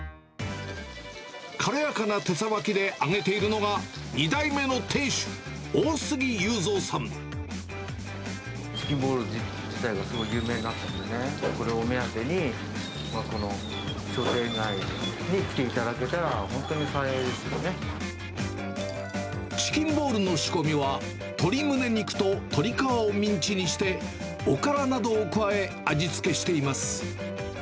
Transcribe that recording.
軽やかな手さばきで揚げているのが、２代目の店主、チキンボール自体がすごい有名になってるので、これを目当てにこの商店街に来ていただけたら、チキンボールの仕込みは、鶏胸肉と鶏皮をミンチにして、おからなどを加え、味付けしています。